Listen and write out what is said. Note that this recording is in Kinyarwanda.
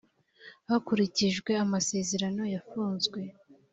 hakurikijwe amasezerano yafunzwe.